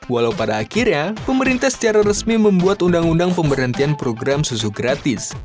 walau pada akhirnya pemerintah secara resmi membuat undang undang pemberhentian program susu gratis